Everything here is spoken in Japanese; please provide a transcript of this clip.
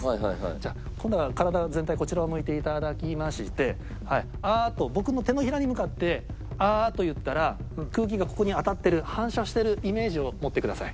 じゃあ今度は体全体こちらを向いていただきまして「あー」と僕の手のひらに向かって「あー」と言ったら空気がここに当たってる反射してるイメージを持ってください。